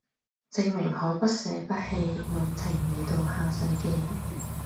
證明可不捨不棄吻停你到下世紀